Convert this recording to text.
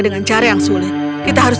dengan cara yang sulit kita harus